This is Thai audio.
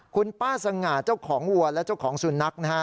คุณป้าสง่าเจ้าของวัวและเจ้าของสุนัขนะฮะ